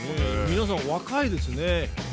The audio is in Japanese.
皆さん若いですね。